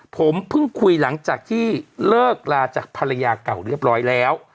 ผมเพิ่งคุยหลังจากที่เลิกลาจากภรรยาเก่าเรียบร้อยแล้ว